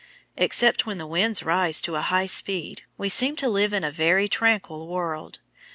] Except when the winds rise to a high speed, we seem to live in a very tranquil world.